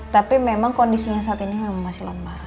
tapi memang kondisinya saat ini memang masih lemah